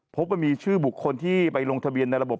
พบว่ามีชื่อบุคคลที่ไปลงทะเบียนในระบบ